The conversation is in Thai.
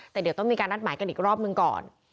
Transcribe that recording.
แต่เดี๋ยวต้องมีการนัดหมายกันอีกรอบหนึ่งก่อน